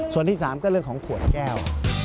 ส่วนที่๓ก็เรื่องของขวดแก้ว